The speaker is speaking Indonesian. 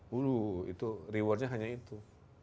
dulu itu rewardnya hanya itu